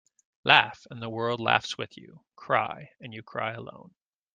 Laugh and the world laughs with you. Cry and you cry alone.